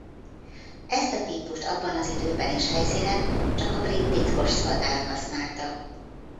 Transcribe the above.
Ezt a típust abban az időben és helyszínen csak a brit titkosszolgálat használta.